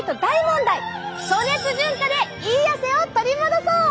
暑熱順化でいい汗を取り戻そう！